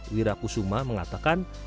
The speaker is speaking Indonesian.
wiraku suma mengatakan